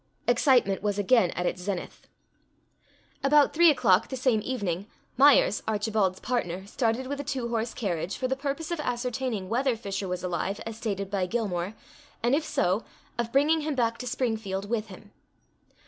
Excitement was again at its zenith. About three o'clock the same evening, Myers, Archibald's partner, started with a two horse carriage, for the purpose of ascertaining whether Fisher was alive, as stated by Gilmore, and if so, of bringing him back to Springfield with him.